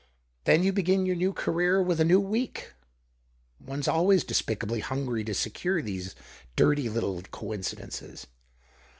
Then you begin your new career with a new week. One's always despicably hungry to secure these dirty little coincidences."